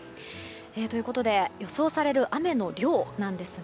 ということで予想される雨の量なんですが